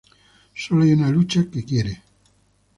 Sólo hay una lucha que quiere.